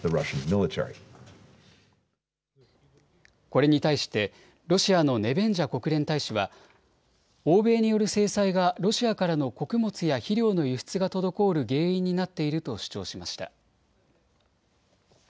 これに対してロシアのネベンジャ国連大使は欧米による制裁がロシアからの穀物や肥料の輸出が滞る原因になっていると主張しました。